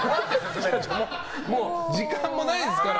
時間もないですから。